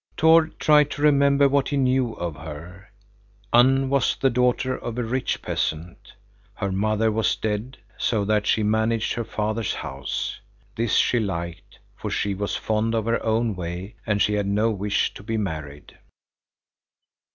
Tord tried to remember what he knew of her. Unn was the daughter of a rich peasant. Her mother was dead, so that she managed her father's house. This she liked, for she was fond of her own way and she had no wish to be married.